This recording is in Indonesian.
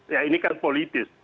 ya ini kan politis